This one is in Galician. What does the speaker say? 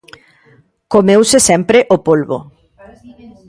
Comeuse sempre o polbo.